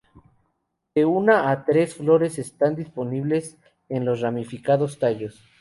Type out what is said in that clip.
De una a tres flores están disponibles en los ramificados tallos.